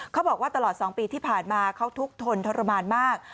เขาบอกว่าตลอด๒ปีที่ผ่านมาเขาทุกข์ทนทรมานมาก